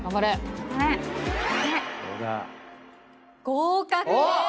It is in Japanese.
合格です！